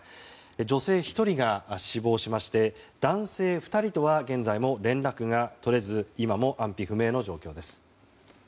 女性１人が死亡しまして男性２人とは現在も連絡が取れず今も安否不明の状況です。